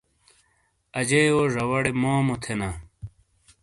اجییو زواڑے مومو تھینا۔